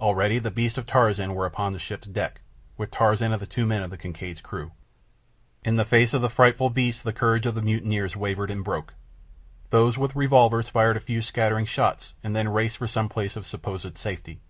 Already the beasts of Tarzan were upon the ship's deck, with Tarzan and the two men of the Kincaid's crew. In the face of the frightful beasts the courage of the mutineers wavered and broke. Those with revolvers fired a few scattering shots and then raced for some place of supposed safety.